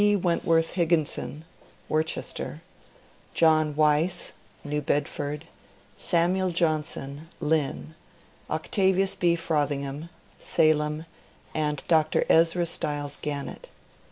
Wentworth Higginson (Worcester), John Weiss (New Bedford), Samuel Johnson (Lynn), Octavius B. Frothingham (Salem), and Dr. Ezra Styles Gannett.